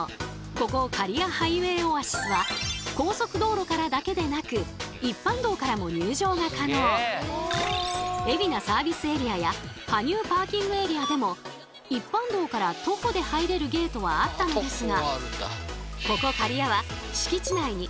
ここ刈谷ハイウェイオアシスは高速道路からだけでなく海老名サービスエリアや羽生パーキングエリアでも一般道から徒歩で入れるゲートはあったのですが